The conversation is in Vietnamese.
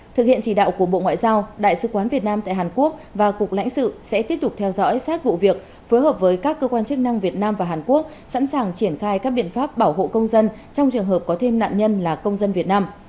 thực hiện chỉ đạo của bộ ngoại giao đại sứ quán việt nam tại hàn quốc và cục lãnh sự sẽ tiếp tục theo dõi sát vụ việc phối hợp với các cơ quan chức năng việt nam và hàn quốc sẵn sàng triển khai các biện pháp bảo hộ công dân trong trường hợp có thêm nạn nhân là công dân việt nam